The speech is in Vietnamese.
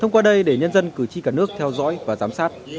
các dân cử tri cả nước theo dõi và giám sát